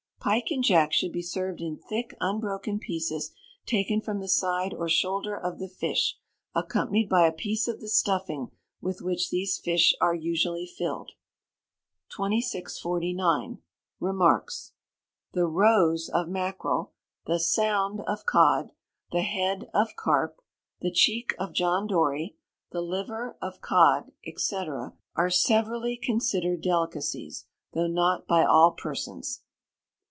Pike and Jack should be served in thick unbroken pieces taken from the side or shoulder of the fish accompanied by a piece of the stuffing with which these fish are usually filled. 2649. Remarks. The roes of mackerel, the sound of cod, the head of carp, the cheek of John Dory, the liver of cod, &c., are severally considered delicacies, though not by all persons.